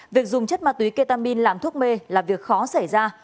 việc dùng chất ma túy ketamin làm thuốc mê là việc khó xảy ra